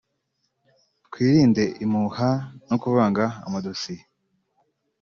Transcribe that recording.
Twirinde impuha no kuvanga amadosiye